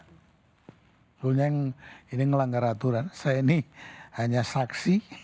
sebenernya ini ngelanggar aturan saya ini hanya saksi